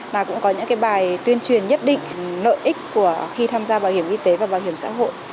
mà cũng có những cái bài tuyên truyền nhất định nợ ích của khi tham gia bảo hiểm y tế và bảo hiểm xã hội